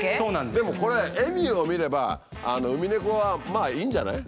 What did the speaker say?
でもこれエミューを見ればウミネコはまあいいんじゃない？